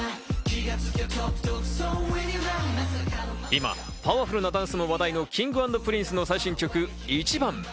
今、パワフルなダンスが話題のＫｉｎｇ＆Ｐｒｉｎｃｅの最新曲『ｉｃｈｉｂａｎ』。